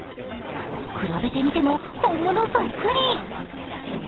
比べてみても、本物そっくり。